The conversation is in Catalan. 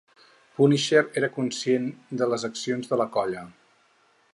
Punisher era conscient de les accions de la colla.